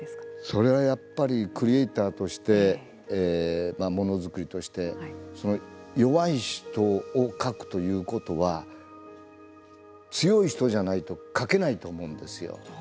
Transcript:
それはやっぱりクリエーターとしてものづくりとして弱い人を描くということは強い人じゃないと描けないと思うんですよ。